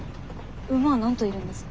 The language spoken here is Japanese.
馬は何頭いるんですか？